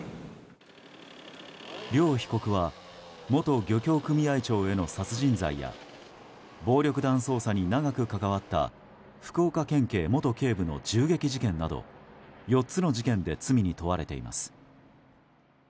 両被告は元漁協組合長への殺人罪や暴力団捜査に長く関わった福岡県警元警部の銃撃事件など４つの事件で罪に問われています。